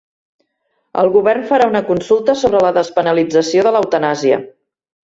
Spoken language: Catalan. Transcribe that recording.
El govern farà una consulta sobre la despenalització de l'eutanàsia